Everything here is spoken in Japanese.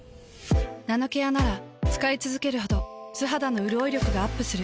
ナノケアなら使いつづけるほど素肌のうるおい力がアップする。